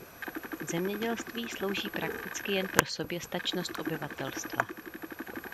Zemědělství slouží prakticky jen pro soběstačnost obyvatelstva.